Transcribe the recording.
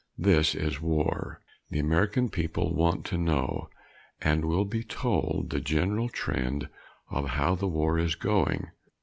This is war. The American people want to know, and will be told, the general trend of how the war is going.